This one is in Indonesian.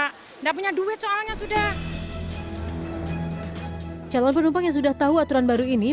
mereka terpaksa mengurangi jumlah barang bawaan untuk menghindari biaya tambahan untuk bagasi yang dibawa